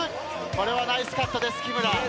これはナイスカットです木村。